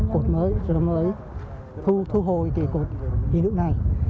cột mới rồi mới thu hồi cái cột thì lúc này